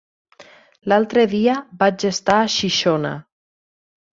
L'altre dia vaig estar a Xixona.